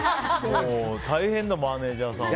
大変だ、マネジャーさんが。